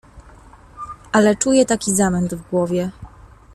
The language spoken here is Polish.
"Ale czuję taki zamęt w głowie."